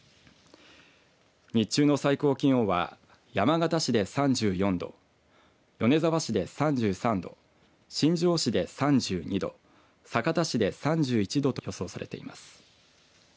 日中の最高気温は山形市で３４度米沢市で３３度新庄市で３２度酒田市で３１度と予想されています。